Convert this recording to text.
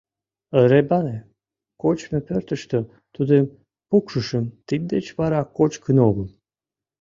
— Ребанэ кочмо пӧртыштӧ тудым пукшышым, тиддеч вара кочкын огыл.